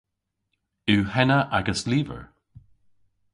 Yw henna agas lyver?